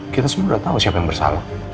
kita semua udah tau siapa yang bersalah